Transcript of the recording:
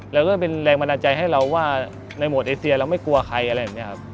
เราก็เป็นแรงบันดาลใจให้เราว่าในโหมดเอเซียเราไม่กลัวใครอะไรแบบนี้ครับ